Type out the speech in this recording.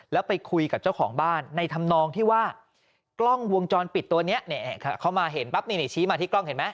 แล้วไปคุยกับเจ้าของบ้านในธรรมนองที่ว่ากล้องวงจรปิดตัวนี้เขามาเห็นปั๊บนี่ชี้มาที่กล้องเห็นไหม